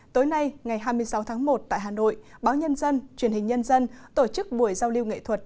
tối nay ngày hai mươi sáu tháng một tại hà nội báo nhân dân truyền hình nhân dân tổ chức buổi giao lưu nghệ thuật